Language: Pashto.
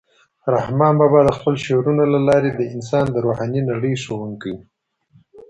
رحمان بابا د خپلو شعرونو له لارې د انسان د روحاني نړۍ ښوونکی و.